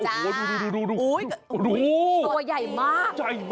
บัวสุรินทร์นะโอ้โหดูตัวใหญ่มาก